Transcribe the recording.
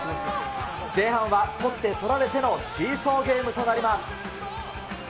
前半は取って、取られてのシーソーゲームとなります。